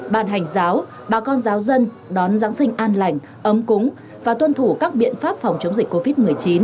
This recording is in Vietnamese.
bàn hành giáo bà con giáo dân đón giáng sinh an lành ấm cúng và tuân thủ các biện pháp phòng chống dịch covid một mươi chín